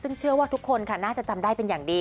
ซึ่งเชื่อว่าทุกคนค่ะน่าจะจำได้เป็นอย่างดี